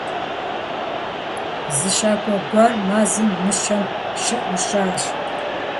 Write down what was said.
Зы щакӀуэ гуэр мэзым мыщэм щыӀущӀащ.